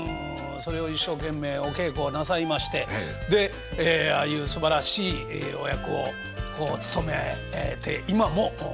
それを一生懸命お稽古をなさいましてでああいうすばらしいお役を務めて今もいらっしゃって。